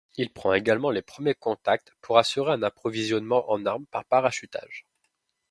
Il prend également les premiers contacts pour assurer un approvisionnement en armes par parachutage.